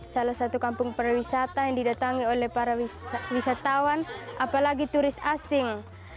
salah satu kampung para wisata yang didatangi oleh para wisatawan apalagi turis asing